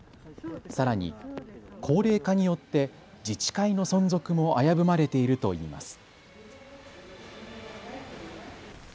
さらに、高齢化によって自治会の存続も危ぶまれているといいます。